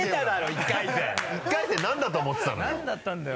１回戦なんだと思ってたのよ。